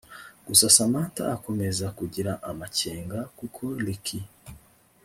gusa Samantha akomeza kugira amakenga kuko Ricky